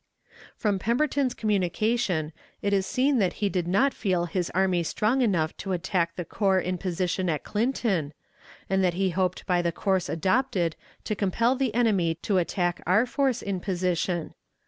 From Pemberton's communication it is seen that he did not feel his army strong enough to attack the corps in position at Clinton, and that he hoped by the course adopted to compel the enemy to attack our force in position.